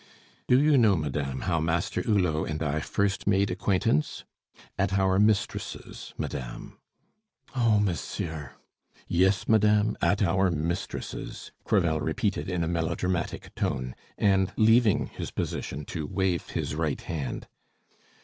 "Do you know, madame, how Master Hulot and I first made acquaintance? At our mistresses', madame." "Oh, monsieur!" "Yes, madame, at our mistresses'," Crevel repeated in a melodramatic tone, and leaving his position to wave his right hand.